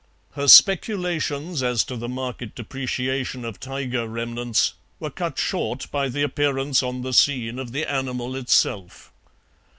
Her speculations as to the market depreciation of tiger remnants were cut short by the appearance on the scene of the animal itself.